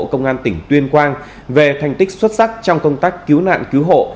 công an tỉnh tuyên quang về thành tích xuất sắc trong công tác cứu nạn cứu hộ